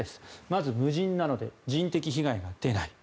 まず無人なので人的被害が出ない。